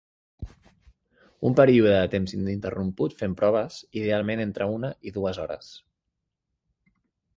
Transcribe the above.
Un període de temps ininterromput fent proves, idealment entre una i dues hores.